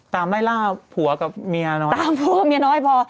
ไล่ล่าผัวกับเมียน้อยตามผัวเมียน้อยพอ